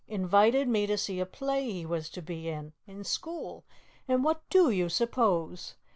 " invited me to see a play he was to be in, in school, and what do you suppose?